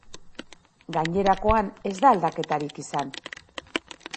Gainerakoan ez da aldaketarik izan.